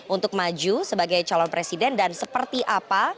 untuk maju sebagai calon presiden dan seperti apa